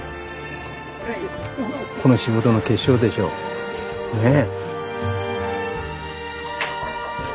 この仕事の結晶でしょ。ねぇ。